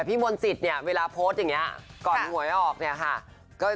พี่มนต์สิตนะเวลาโพสต์อย่างนี้ก่อนหัวไม่ออกเนี้ยค่ะ